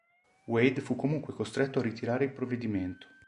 Wade fu dunque costretto a ritirare il provvedimento.